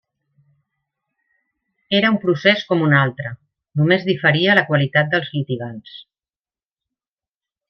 Era un procés com un altre; només diferia la qualitat dels litigants.